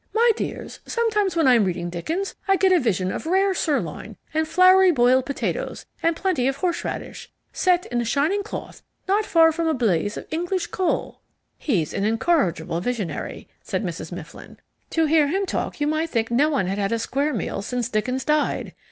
My dears, sometimes when I am reading Dickens I get a vision of rare sirloin with floury boiled potatoes and plenty of horse radish, set on a shining cloth not far from a blaze of English coal " "He's an incorrigible visionary," said Mrs. Mifflin. "To hear him talk you might think no one had had a square meal since Dickens died.